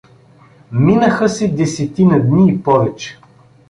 Минаха се десетина дни и повече.